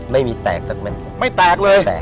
ไม่มีแตกไม่มีแตกเลย